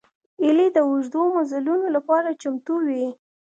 هیلۍ د اوږدو مزلونو لپاره چمتو وي